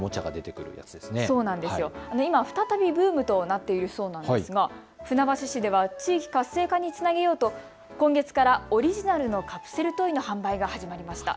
今、再びブームとなっているそうなんですが船橋市では地域活性化につなげようと今月からオリジナルのカプセルトイの販売が始まりました。